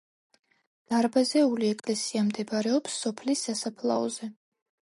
დარბაზული ეკლესია მდებარეობს სოფლის სასაფლაოზე.